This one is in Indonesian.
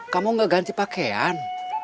kamu gak ganti pakaian